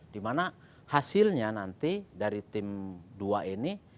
dimana hasilnya nanti dari tim dua ini